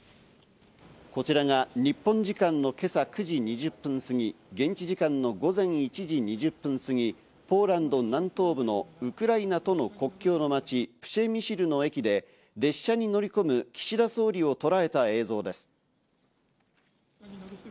こちらが日本時間の今朝９時２０分過ぎ、現地時間の午前１時２０分すぎ、ポーランド南東部のウクライナとの国境の町、プシェミシルの駅で列車に乗り込む岸田総理をとらえた映像です。